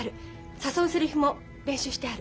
誘うセリフも練習してある。